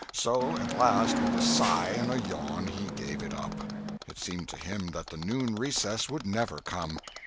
So at last, with a sigh and a yawn, he gave it up. It seemed to him that the noon recess would never come.